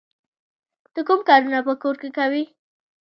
ته کوم کارونه په کور کې کوې؟